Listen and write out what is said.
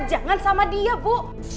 jangan sama dia bu